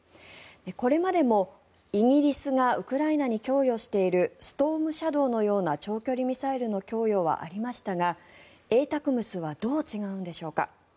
これまでもイギリスがウクライナに供与しているストームシャドーのような長距離ミサイルの供与はありましたがＡＴＡＣＭＳはどう違うんでしょうか。